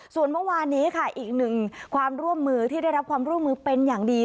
ส่วนเมื่อวานนี้ค่ะอีกหนึ่งความร่วมมือที่ได้รับความร่วมมือเป็นอย่างดี